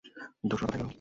দস্যুরা কোথায় গেলো?